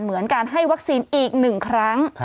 เหมือนการให้วัคซีนอีก๑ครั้ง